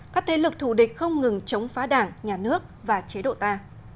các thế lực thù địch không ngừng chống phá đảng nhà nước và chế độ ta